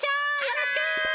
よろしく！